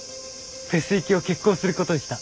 フェス行きを決行することにした。